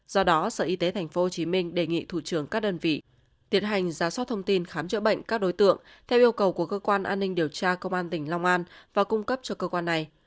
do đó sở y tế tp hcm đề nghị thủ trưởng các đơn vị tiến hành giá soát thông tin khám chữa bệnh các đối tượng theo yêu cầu của cơ quan an ninh điều tra công an tỉnh long an và cung cấp cho cơ quan này